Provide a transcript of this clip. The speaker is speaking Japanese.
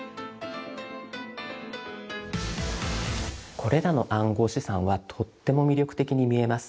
これらの暗号資産はとっても魅力的に見えます。